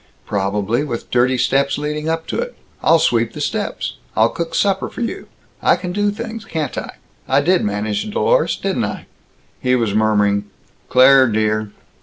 "Probably. With dirty steps leading up to it. I'll sweep the steps. I'll cook supper for you. I can do things, can't I! I did manage Dlorus, didn't I!" He was murmuring, "Claire, dear!"